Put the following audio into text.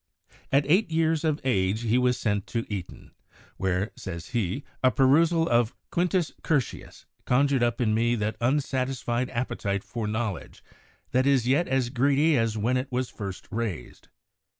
At eight years of age he was sent to Eton, where, says he, a perusal of 'Quintus Cur tius' "conjured up in me that unsatisfied appetite for knowledge that is yet as greedy as when it was first raised."